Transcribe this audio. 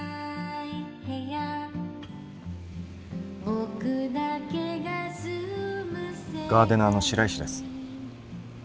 そんなガーデナーの白石です。